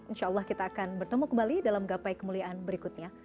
insya allah kita akan bertemu kembali dalam gapai kemuliaan berikutnya